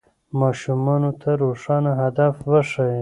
ماشومانو ته روښانه هدف وښیئ.